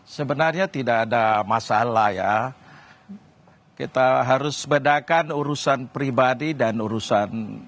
sebenarnya tidak ada masalah ya kita harus bedakan urusan pribadi dan urusan